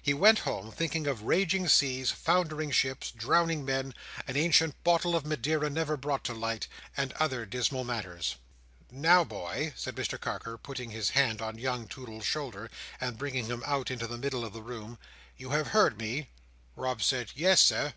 He went home, thinking of raging seas, foundering ships, drowning men, an ancient bottle of Madeira never brought to light, and other dismal matters. "Now, boy!" said Mr Carker, putting his hand on young Toodle's shoulder, and bringing him out into the middle of the room. "You have heard me?" Rob said, "Yes, Sir."